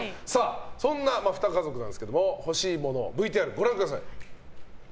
そんな、ふた家族の欲しいものＶＴＲご覧ください。